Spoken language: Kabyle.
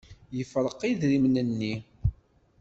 Yefreq idrimen-nni.